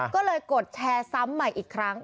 ก็เลยกดแชร์ซ้ำใหม่อีกครั้ง